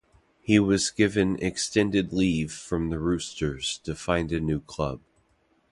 He was given extended leave from the Roosters to find a new club.